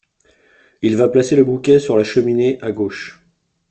Il va placer le bouquet sur la cheminée à gauche.